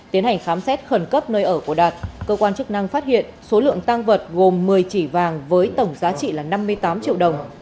tiến hành khám xét khẩn cấp nơi ở của đạt cơ quan chức năng phát hiện số lượng tăng vật gồm một mươi chỉ vàng với tổng giá trị là năm mươi tám triệu đồng